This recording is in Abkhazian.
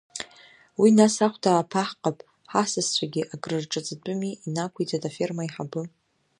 Уи нас ахәда ааԥаҳҟап, ҳасасцәагьы акрырҿаҵатәыми, инақәиҵеит аферма аиҳабы.